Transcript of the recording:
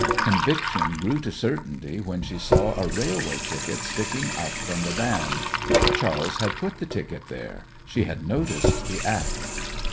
Conviction grew to certainty when she saw a railway ticket sticking up from the band. Charles had put the ticket there she had noticed the act.